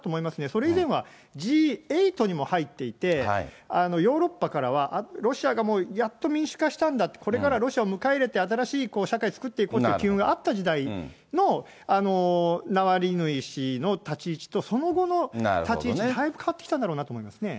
それ以前は、Ｇ８にも入っていて、ヨーロッパからは、ロシアがもうやっと民主化したんだ、これからはロシアを迎え入れて、新しい社会、作っていこうという機運があった時代のナワリヌイ氏の立ち位置と、その後の立ち位置、だいぶ変わってきたんだろうなと思いますね。